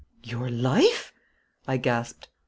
'Your life!' I gasped.